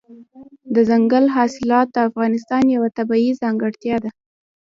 دځنګل حاصلات د افغانستان یوه طبیعي ځانګړتیا ده.